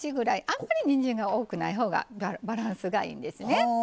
あんまりにんじんが多くないほうがバランスがいいんですね。